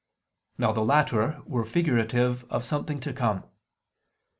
Now the latter were figurative of something to come.